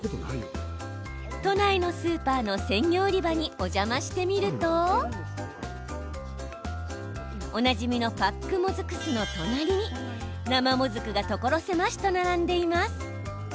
都内のスーパーの鮮魚売り場にお邪魔してみるとおなじみのパックもずく酢の隣に生もずくが所狭しと並んでいます。